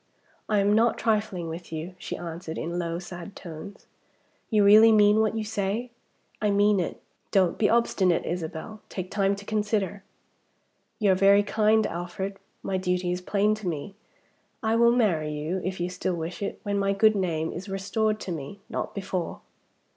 "I am not trifling with you," she answered, in low, sad tones. "You really mean what you say?" "I mean it." "Don't be obstinate, Isabel. Take time to consider." "You are very kind, Alfred. My duty is plain to me. I will marry you if you still wish it when my good name is restored to me. Not before."